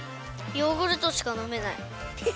ヨーグルトしかのめない。